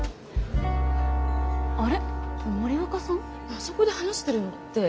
あそこで話してるのって。